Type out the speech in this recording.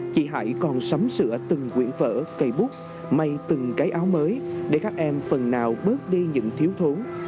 chị hải còn sắm sửa từng quyển vỡ cây bút mây từng cái áo mới để các em phần nào bớt đi những thiếu thốn